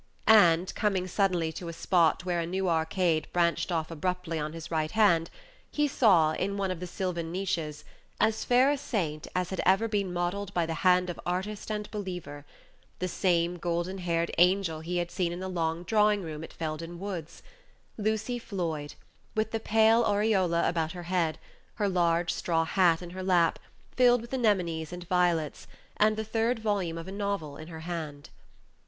And, coming suddenly to a spot where a new arcade branched off abruptly on his right hand, he saw, in one of the sylvan niches, as fair a saint as had ever been modelled by the hand of artist and believer the same golden haired angel he had seen in the long drawing room at Felden Woods Lucy Floyd, with the pale aureola about her head, her large straw hat in her lap, filled with anemones and violets, and the third volume of a novel in her hand.